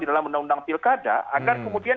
dalam undang undang pilkada agar kemudian